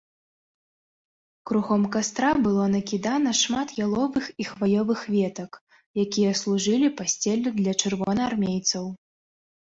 Кругом кастра было накідана шмат яловых і хваёвых ветак, якія служылі пасцеллю для чырвонаармейцаў.